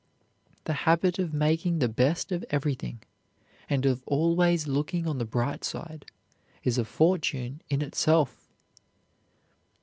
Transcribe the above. The habit of making the best of everything and of always looking on the bright side is a fortune in itself.